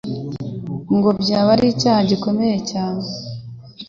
ngo byaba ari icyaha gikomeye cyane.